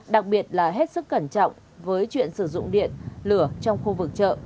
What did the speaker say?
đặc biệt là hết sức cẩn trọng với chuyện sử dụng điện lửa trong khu vực chợ